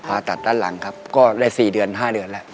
ผ่าตัดด้านหลังครับก็ได้๔เดือน๕เดือนแล้ว